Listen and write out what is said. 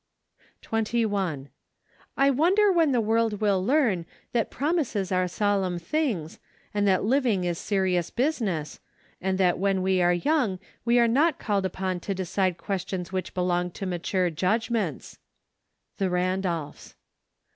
21. I wonder when the world will learn that promises are solemn things, and that living is serious business, and that when we are young we are not called upon to de¬ cide questions which belong to mature judgments. The Randolphs.